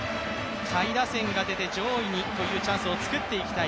下位打線が出て上位にというチャンスを作っていきたい